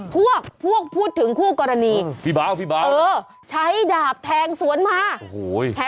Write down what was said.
พวกพูดถึงคู่กรณีเออใช้ดาบแทงสวนมาพี่เบาพี่เบา